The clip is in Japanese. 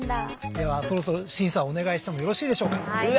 ではそろそろ審査をお願いしてもよろしいでしょうか？